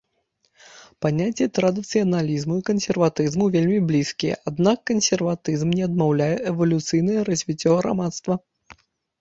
Паняцці традыцыяналізму і кансерватызму вельмі блізкія, аднак кансерватызм не адмаўляе эвалюцыйнае развіццё грамадства.